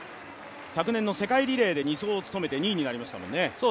昨年の世界リレーで２走を務めて２位になりましたもんね。